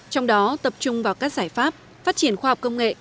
trong đó tập trung vào các giải pháp phát triển khoa học công nghệ